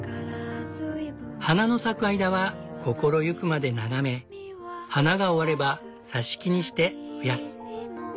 花の咲く間は心ゆくまで眺め花が終われば挿し木にして増やす。